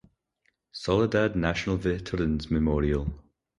Soledad National Veterans Memorial.